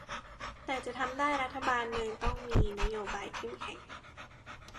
แต่จะทำได้ รัฐบาลเมืองต้องมีนโยบายเข้มแข็ง